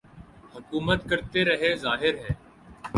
حکومت کرتے رہے ظاہر ہے